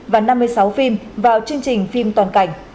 và năm mươi sáu phim vào chương trình phim toàn cảnh